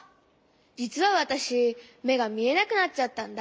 じつはわたしめがみえなくなっちゃったんだ。